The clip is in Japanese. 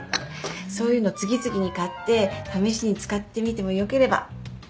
そういうの次々に買って試しに使ってみてもよければ。